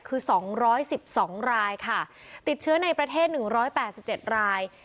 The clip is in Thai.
คือสองร้อยสิบสองรายค่ะติดเชื้อในประเทศหนึ่งร้อยแปดสิบเจ็ดราย